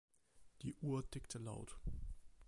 Die Uhr tickte laut.